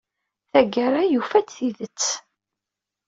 Tagara, yufa-d tidet.